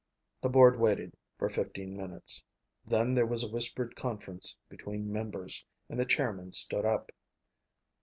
The board waited for fifteen minutes. Then there was a whispered conference between members and the chairman stood up.